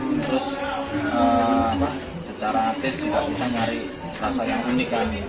terus secara tes juga kita nyari rasa yang unik kan